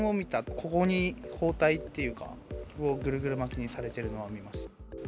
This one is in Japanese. ここに包帯っていうか、ぐるぐる巻きにされてるのは見ました。